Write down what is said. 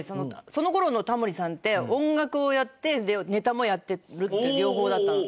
その頃のタモリさんって音楽をやってネタもやってるっていう両方だったの。